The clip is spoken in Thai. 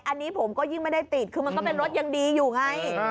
อันนี้ผมก็ยิ่งไม่ได้ติดคือมันก็เป็นรถยังดีอยู่ไง